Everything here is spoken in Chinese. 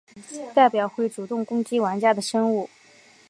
代表会主动攻击玩家的生物。